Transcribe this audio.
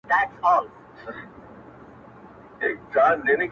o چي مړ سو، نو پړ سو٫